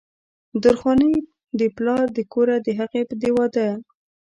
درخانۍ د پلار د کوره د هغې د وادۀ